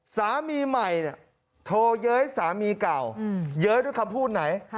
สามีใหม่เนี่ยโทรเย้ยสามีเก่าเย้ยด้วยคำพูดไหน